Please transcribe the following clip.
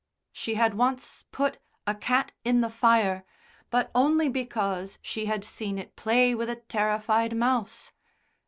She had once put a cat in the fire, but only because she had seen it play with a terrified mouse.